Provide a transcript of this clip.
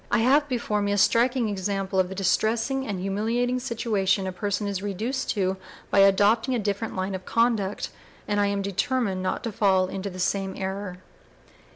I have before me a striking example of the distressing and humiliating situation a person is reduced to by adopting a different line of conduct, and I am determined not to fall into the same error."